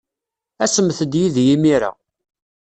Asemt-d yid-i imir-a.